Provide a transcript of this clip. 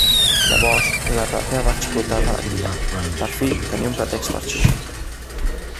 Llavors la platea va explotar d'alegria: per fi tenia un pretext per xiular!